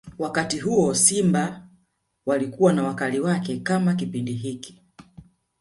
Wakati huu ndio Simba walikuwa na wakali wake kama Kipindi hiki